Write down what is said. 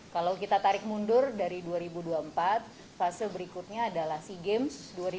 kalau kita tarik mundur dari dua ribu dua puluh empat fase berikutnya adalah sea games dua ribu dua puluh